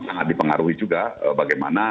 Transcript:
sangat dipengaruhi juga bagaimana